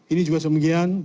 ini juga semuanya